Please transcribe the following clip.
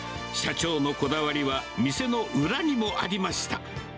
社長のこだわりは、店の裏にもありました。